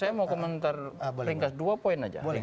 saya mau komentar ringkas dua poin aja